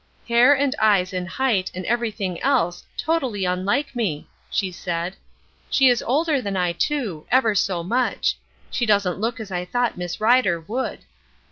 "Hair and eyes and height, and everything else, totally unlike me!" she said. "She is older than I, too, ever so much. She doesn't look as I thought Miss Rider would."